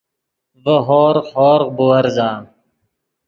ڤے ہورغ، ہورغ بُورزا